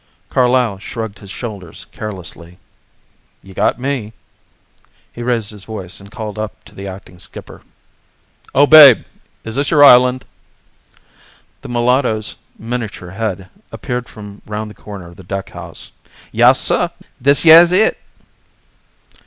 Carlyle shrugged his shoulders carelessly. "You've got me." He raised his voice and called up to the acting skipper: "Oh, Babe, is this your island?" The mulatto's miniature head appeared from round the corner of the deck house. "Yas suh! This yeah's it."